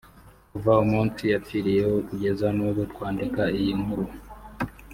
Kuva umunsi yapfiriyeho kugeza n’ubu twandika iyi nkuru